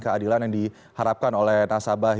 keadilan yang diharapkan oleh nasabah